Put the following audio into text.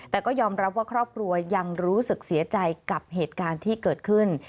แต่ก็ยอมรับว่าครอบครัวยังรู้สึกเสียใจกับเหตุการณ์ที่เกิดขึ้น